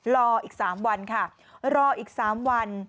รออีก๓วันค่ะรออีก๓วัน